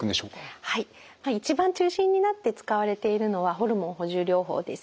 一番中心になって使われているのはホルモン補充療法です。